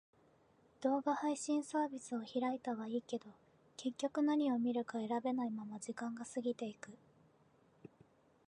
動画配信サービスを開いたはいいけど、結局何を見るか選べないまま時間が過ぎていく。